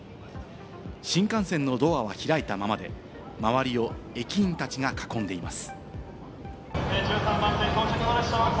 新幹線のドアは開いたままで周りを駅員たちが囲んでいます。